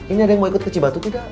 ini ada yang mau ikut kecibatu tidak